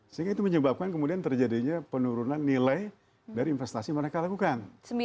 sehingga itu menyebabkan kemudian terjadinya penurunan nilai dari investasi yang mereka lakukan